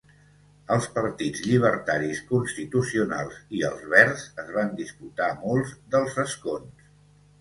Els partits llibertaris, constitucionals i els verds es van disputar molts dels escons.